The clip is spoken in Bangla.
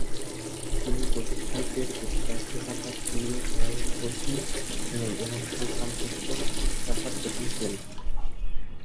তিনি প্রতিষ্ঠানটির যুক্তরাষ্ট্র শাখার সিনিয়র সহসভাপতি ছিলেন ও সান ফ্রান্সিসকো শাখার প্রধান ছিলেন।